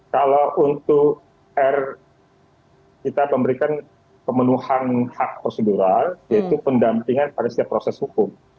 kalau untuk r kita memberikan pemenuhan hak prosedural yaitu pendampingan pada setiap proses hukum